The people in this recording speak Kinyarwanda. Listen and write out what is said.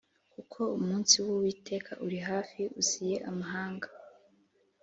Kuko umunsi w Uwiteka uri hafi uziye amahanga